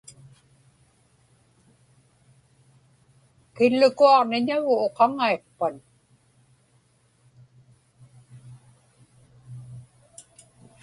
Killukuaġniñagu uqaŋaiqpan.